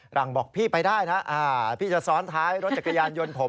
หลังบอกพี่ไปได้นะพี่จะซ้อนท้ายรถจักรยานยนต์ผม